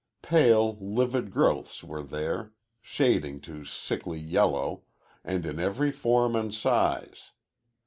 Pale, livid growths were there, shading to sickly yellow, and in every form and size.